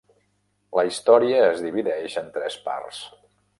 La història es divideix en tres parts.